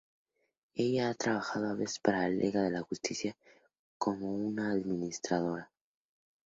Ella ha trabajado a veces para la Liga de la Justicia como una administradora.